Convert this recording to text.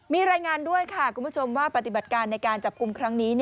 มีรายงานด้วยว่าปติภัทธิ์การในการจับกลุ่มครั้งนี้